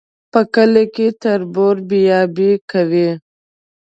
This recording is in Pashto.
په کلي کي تربور بې آبه کوي